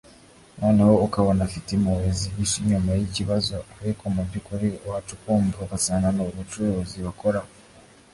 ’ Noneho ukabona afite impuhwe zihishe inyuma y’ikibazo ariko mu by’ukuri wacukumbura ugasanga ni ubucuruzi bakora